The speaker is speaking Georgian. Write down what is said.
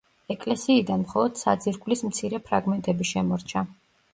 ეკლესიიდან მხოლოდ საძირკვლის მცირე ფრაგმენტები შემორჩა.